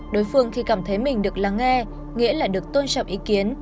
đối phương khi cảm thấy mình được lắng nghe nghĩa là được tôn trọng ý kiến